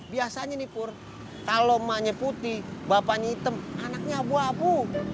biasanya nih pur kalau emaknya putih bapaknya item anaknya abu abu